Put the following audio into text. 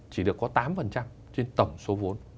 chỉ được có tám trên tổng số vốn